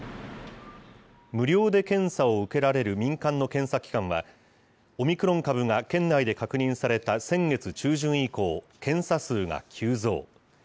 無料で検査を受けられる民間の検査機関は、オミクロン株が県内で確認された先月中旬以降、検査数が急増。